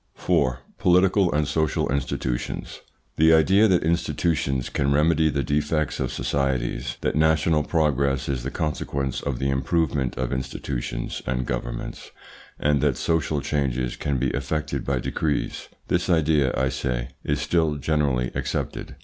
4. POLITICAL AND SOCIAL INSTITUTIONS The idea that institutions can remedy the defects of societies, that national progress is the consequence of the improvement of institutions and governments, and that social changes can be effected by decrees this idea, I say, is still generally accepted.